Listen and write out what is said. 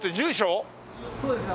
そうですね。